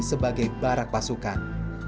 sebagai barak pasukan